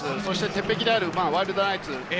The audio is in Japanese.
鉄壁であるワイルドナイツ。